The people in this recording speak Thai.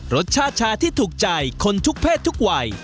รสชาติชาที่ถูกใจคนทุกเพศทุกวัย